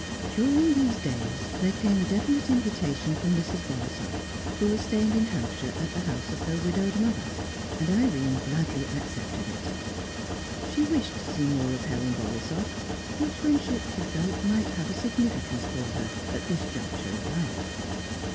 During these days there came a definite invitation from Mrs. Borisoff, who was staying in Hampshire, at the house of her widowed mother, and Irene gladly accepted it. She wished to see more of Helen Borisoff, whose friendship, she felt, might have significance for her at this juncture of life.